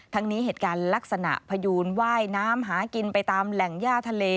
นี้เหตุการณ์ลักษณะพยูนว่ายน้ำหากินไปตามแหล่งย่าทะเล